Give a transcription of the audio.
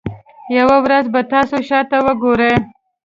یوه ورځ به تاسو شاته وګورئ.